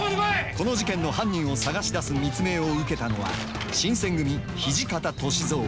この事件の犯人を探し出す密命を受けたのは新選組土方歳三。